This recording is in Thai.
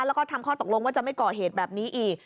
แล้วก็ทำข้อตกลงว่าจะไม่ก่อเหตุแบบนี้อีก